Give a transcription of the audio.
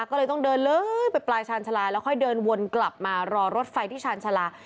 ก็เลยต้องเดินเลยไปปลายชาญชาลาแล้วค่อยเดินวนกลับมารอรถไฟที่ชาญชาลา